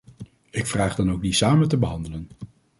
Ik vraag dan ook die samen te behandelen.